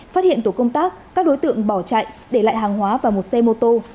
phát hiện tổ công tác các đối tượng bỏ chạy để lại hàng hóa và một xe mô tô